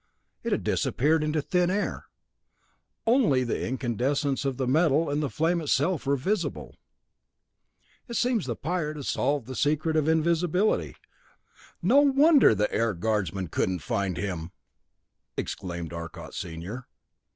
It had disappeared into thin air! Only the incandescence of the metal and the flame itself were visible. "It seems the pirate has solved the secret of invisibility. No wonder the Air Guardsmen couldn't find him!" exclaimed Arcot, senior.